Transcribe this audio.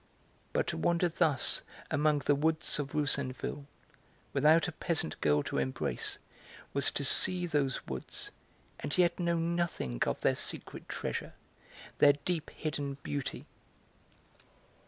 But to wander thus among the woods of Roussainville without a peasant girl to embrace was to see those woods and yet know nothing of their secret treasure, their deep hidden beauty.